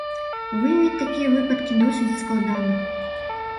Выявіць такія выпадкі досыць складана.